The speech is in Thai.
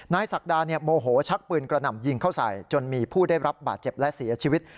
ศักดาโมโหชักปืนกระหน่ำยิงเข้าใส่จนมีผู้ได้รับบาดเจ็บและเสียชีวิต